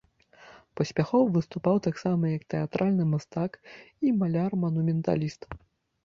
Паспяхова выступаў таксама як тэатральны мастак і маляр-манументаліст.